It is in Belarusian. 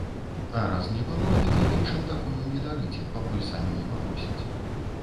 А раз не было, дык і іншым такую не дарыце, пакуль самі не папросяць.